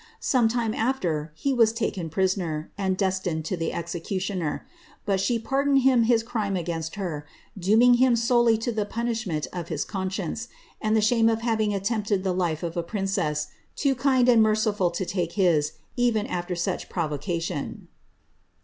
Some time uAer, he was Uiken prisoner, and destined to the executioner; butibi pardoned him his crime n^inst her, dooming him solely to the punisiimentof hii con»oience, and the bhame of having attempted the life of a princess, tookilA ' and mcrciliil to take hi:^, even alter such provocation.